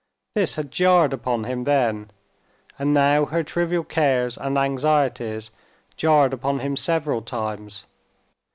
This had jarred upon him then, and now her trivial cares and anxieties jarred upon him several times.